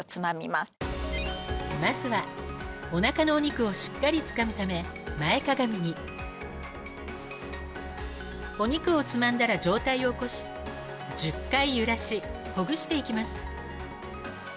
まずはお腹のお肉をしっかりつかむため前かがみにお肉をつまんだら上体を起こし１０回揺らしほぐしていきます